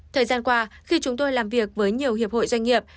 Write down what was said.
thời gian qua khi chúng tôi làm việc với nhiều hiệp hội doanh nghiệp